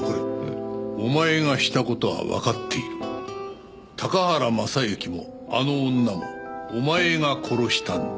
「おまえがしたことはわかっている」「高原雅之もあの女もおまえが殺したんだ」